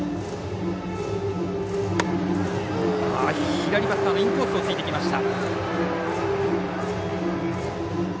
左バッターのインコースをついてきました。